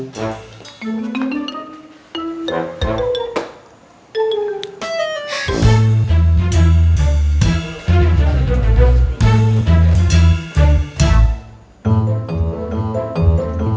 ketaman mini pulang sekolah